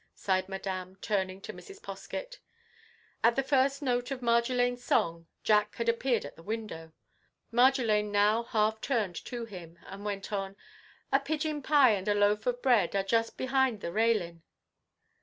sighed Madame, turning to Mrs. Poskett. At the first note of Marjolaine's song Jack had appeared at the window. Marjolaine now half turned to him, and went on:— "A pigeon pie and a loaf of bread Are just behind the railin'!"